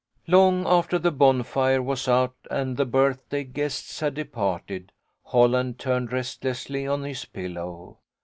Long after the bonfire was out and the birthday guests had departed, Holland turned restlessly on his pillow.